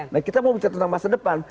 nah kita mau bicara tentang masa depan